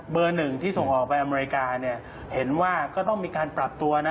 หนึ่งที่ส่งออกไปอเมริกาเนี่ยเห็นว่าก็ต้องมีการปรับตัวนะ